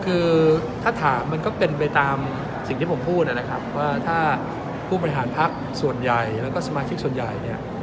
คือถ้าถามมันก็เป็นไปตามสิ่งที่ผมพูดนะครับว่าถ้าผู้บริหารพักส่วนใหญ่แล้วก็สมาชิกส่วนใหญ่เนี่ย